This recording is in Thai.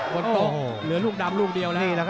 บนโต๊ะเหลือลูกดำลูกเดียวแล้ว